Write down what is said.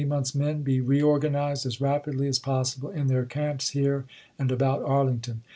mouths' men, be reorganized as rapidly as possible in their camps here and about Arlington.